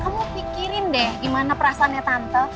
kamu pikirin deh gimana perasaannya tante